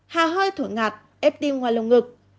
hà hơi thổi ngạt ép tim ngoài lông ngực